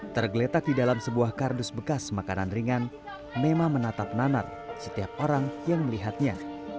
tergeletak di dalam sebuah kardus bekas makanan ringan mema menatap nanar setiap orang yang melihatnya